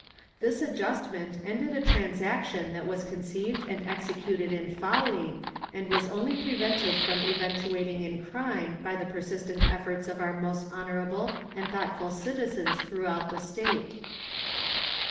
This adjustment ended a transaction that was conceived and executed in folly, and was only prevented from eventuating in crime by the persistent efforts of our most honorable and thoughtful citizens throughout the state.